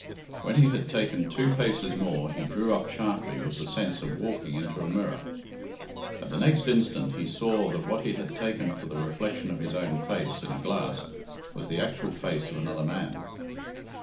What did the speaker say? When he had taken two paces more, he drew up sharply with the sense of walking into a mirror. At the next instant he saw that what he had taken for the reflection of his own face in a glass was the actual face of another man.